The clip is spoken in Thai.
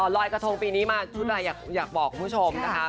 ลอยกระทงปีนี้มาชุดอะไรอยากบอกคุณผู้ชมนะคะ